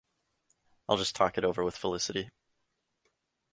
I’ll just talk it over with Felicity.